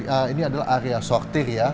ini kan ini adalah area sortir ya